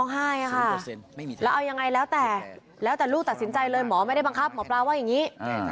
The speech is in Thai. หมอปลาว่าอย่างนี้